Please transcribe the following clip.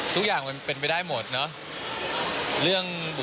ทุกอย่างมันก็ชนกันหมดนะครับ